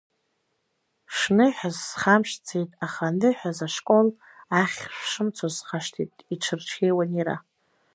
Шныҳәаз схамшҭӡеит, аха аныҳәаз ашкол ахь шәшымцоз схашҭит, иҽырҽеиуан иара.